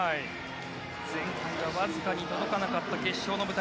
前回はわずかに届かなかった決勝の舞台